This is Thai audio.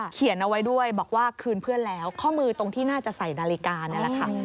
เขียนเอาไว้ด้วยบอกว่าคืนเพื่อนแล้วข้อมือตรงที่น่าจะใส่นาฬิกานี่แหละค่ะ